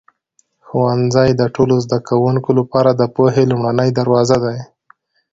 ښوونځی د ټولو زده کوونکو لپاره د پوهې لومړنی دروازه دی.